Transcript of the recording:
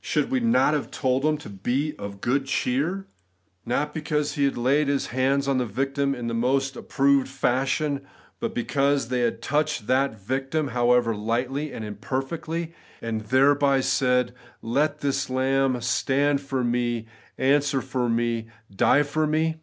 Should we not have told him to be of good cheer ; God^s Recognition of Substitution. 25 not because he had laid his hands on the victim in the most approved fashion, but because they had touched that victim, however lightly and imperfectly, and thereby said, Let this lamb stand for me, answer for me, die for me